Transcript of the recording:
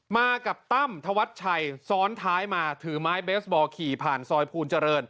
มากับตั้มธวัชชัยซ้อนท้ายมาถือไม้เบสบอลขี่ผ่านซอยภูลเจริญ